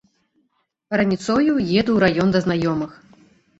Раніцою еду ў раён да знаёмых.